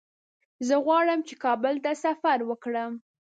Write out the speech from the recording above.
زه غواړم چې کابل ته سفر وکړم.